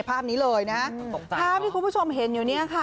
ภาพนี้เลยนะฮะภาพที่คุณผู้ชมเห็นอยู่เนี่ยค่ะ